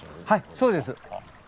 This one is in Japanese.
はいそうです。